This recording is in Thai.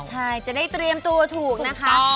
ใช่จะได้เตรียมตัวถูกนะคะ